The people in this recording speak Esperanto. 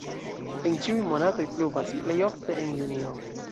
En ĉiuj monatoj pluvas, plej ofte en junio.